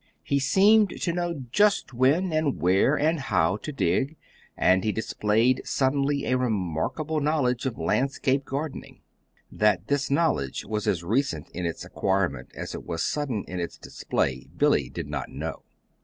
He seemed to know just when and where and how to dig, and he displayed suddenly a remarkable knowledge of landscape gardening. (That this knowledge was as recent in its acquirement as it was sudden in its display, Billy did not know.)